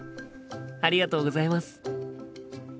ありがとうございます。